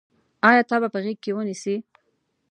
آیا تا به په غېږ کې ونیسي.